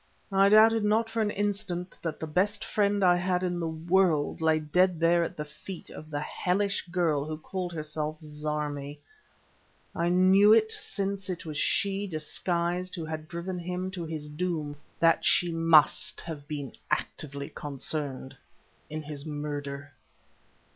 I doubted not for an instant that the best friend I had in the world lay dead there at the feet of the hellish girl who called herself Zarmi, and I knew since it was she, disguised, who had driven him to his doom, that she must have been actively concerned in his murder.